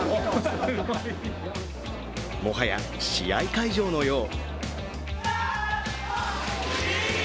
もはや試合会場のよう。